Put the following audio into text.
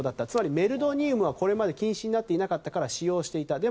つまりメルドニウムはこれまで禁止になっていなったから使用していた。